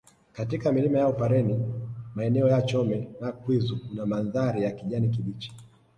Katika milima ya upareni maeneo ya Chome na Kwizu kuna mandhari ya kijani kibichi